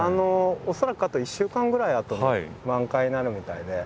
恐らくあと１週間ぐらいあとに満開になるみたいで。